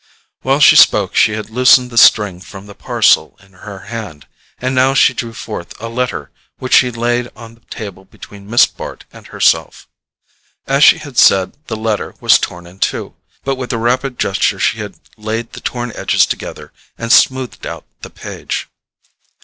While she spoke she had loosened the string from the parcel in her hand, and now she drew forth a letter which she laid on the table between Miss Bart and herself. As she had said, the letter was torn in two; but with a rapid gesture she laid the torn edges together and smoothed out the page.